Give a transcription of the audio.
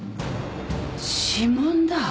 指紋だ。